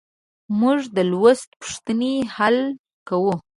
موږ د لوست پوښتنې حل کوو.